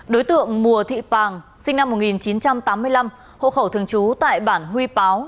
đối tượng mùa thị pàng sinh năm một nghìn chín trăm tám mươi năm hộ khẩu thường trú tại bản huy báo